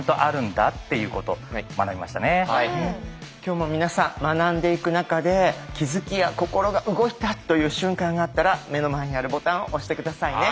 今日も皆さん学んでいく中で気付きや心が動いたという瞬間があったら目の前にあるボタンを押して下さいね。